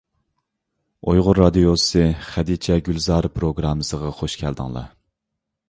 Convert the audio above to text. ئۇيغۇر رادىيوسى «خەدىچە گۈلزارى» پىروگراممىسىغا خۇش كەلدىڭلار!